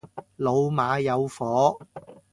老馬有火